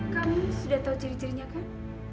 kamu sudah tahu ciri cirinya kan